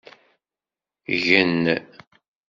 Gen!